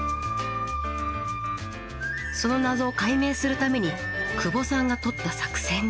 その謎を解明するために久保さんがとった作戦が。